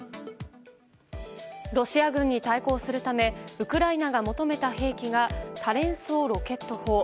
ロシア軍に対抗するためウクライナが求めた兵器が多連装ロケット砲。